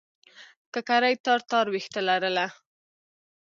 ککرۍ تار تار وېښته لرله.